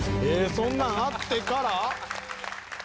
そんなんあってから？